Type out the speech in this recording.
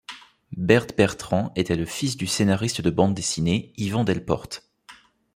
Bert Bertrand était le fils du scénariste de bande dessinée Yvan Delporte.